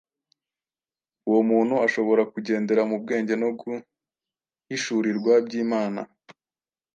uwo muntu ashobora kugendera mu bwenge no guhishurirwa by’Imana!